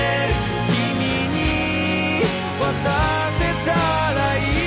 「君に渡せたらいい」